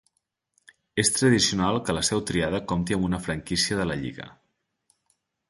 És tradicional que la seu triada compti amb una franquícia de la lliga.